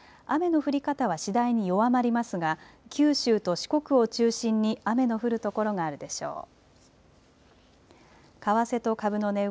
雨の降り方は次第に弱まりますが、九州と四国を中心に雨の降る所があるでしょう。